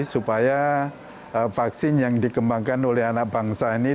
supaya vaksin yang dikembangkan oleh anak bangsa ini